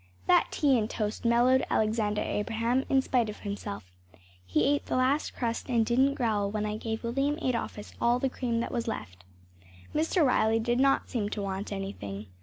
That tea and toast mellowed Alexander Abraham in spite of himself. He ate the last crust, and didn’t growl when I gave William Adolphus all the cream that was left. Mr. Riley did not seem to want anything.